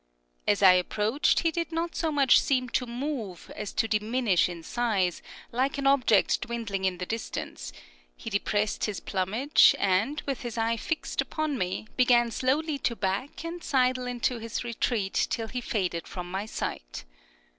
As I approached, he did not so much seem to move as to diminish in size, like an object dwindling in the distance; he depressed his plumage, and, with his eye fixed upon me, began slowly to back and sidle into his retreat till he faded from my sight.